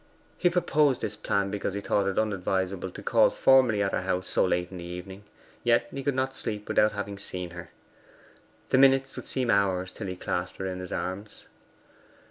He proposed this plan because he thought it unadvisable to call formally at her house so late in the evening; yet he could not sleep without having seen her. The minutes would seem hours till he clasped her in his arms.